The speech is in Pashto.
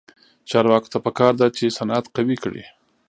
چارواکو ته پکار ده چې، صنعت قوي کړي.